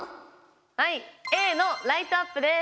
はいＡのライトアップです。